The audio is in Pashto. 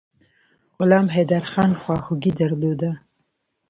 غلام حیدرخان خواخوږي درلوده.